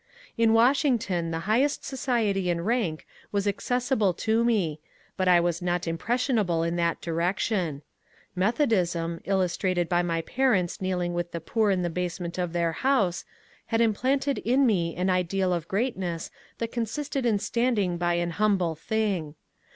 In Washington the highest society in rank was accessible to me, but I was not impressionable in that direction. Meth odism, illustrated by my parents kneeling with the poor in the basement of their house, had implanted in me an ideal of greatness that consisted in standing by an humble thing.